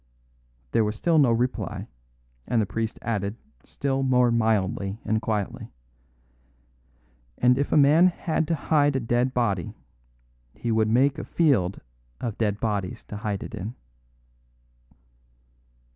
There was still no reply, and the priest added still more mildly and quietly: "And if a man had to hide a dead body, he would make a field of dead bodies to hide it in."